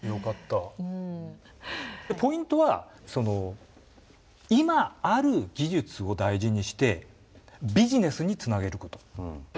ポイントはその今ある技術を大事にしてビジネスにつなげること。